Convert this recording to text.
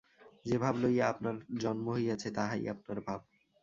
যে-ভাব লইয়া আপনার জন্ম হইয়াছে, তাহাই আপনার ভাব।